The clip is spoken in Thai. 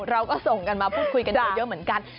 เราก็ส่งกันมาพูดคุยกันเยอะเหมือนกัน